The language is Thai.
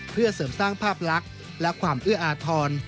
เพื่อเสริมสร้างภาพลักษณ์และความเอื้ออาทร